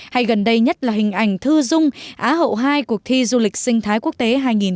hay gần đây nhất là hình ảnh thư dung á hậu hai cuộc thi du lịch sinh thái quốc tế hai nghìn một mươi chín